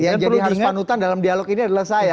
yang perlu harus panutan dalam dialog ini adalah saya